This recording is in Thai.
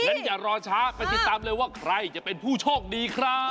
อย่ารอช้าไปติดตามเลยว่าใครจะเป็นผู้โชคดีครับ